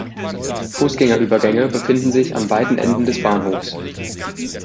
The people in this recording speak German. Fußgängerübergänge befinden sich an beiden Enden des Bahnhofs.